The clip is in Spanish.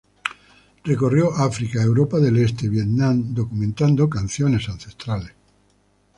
Recorrió África, Europa del este, Vietnam documentando canciones ancestrales.